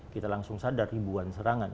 kita langsung sadar ribuan serangan